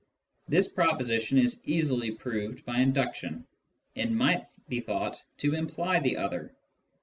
This proposition is easily proved by induction, and might be thought to imply the other.